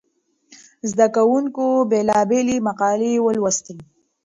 زده کوونکو بېلابېلې مقالې ولوستې.